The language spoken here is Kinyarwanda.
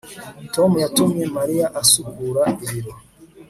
tom yatumye mariya asukura ibiro